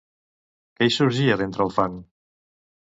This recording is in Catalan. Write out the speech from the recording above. Què hi sorgia d'entre el fang?